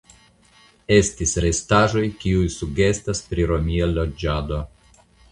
Estis restaĵoj kiuj sugestas pri romia loĝado.